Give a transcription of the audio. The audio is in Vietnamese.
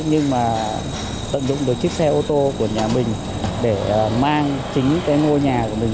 nhưng mà tận dụng được chiếc xe ô tô của nhà mình để mang chính cái ngôi nhà của mình